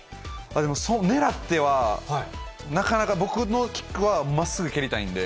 でもそう狙っては、なかなか僕のキックはまっすぐ蹴りたいんで。